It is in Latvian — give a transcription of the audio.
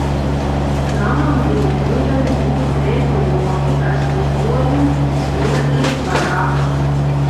Namam bija nelieli divu vērtņu logi ar stiklojumu svina ietvarā.